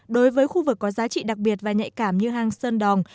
đối với khu vực có giá trị đặc biệt và nhạy cảm như hang sơn đòn